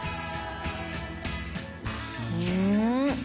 うん！